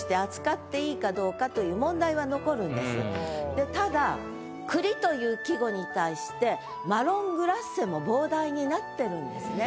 でただ「栗」という季語に対して「マロングラッセ」も傍題になってるんですね。